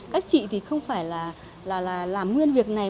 các chị thì không phải là làm nguyên việc này